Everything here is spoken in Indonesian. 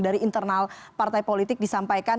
dari internal partai politik disampaikan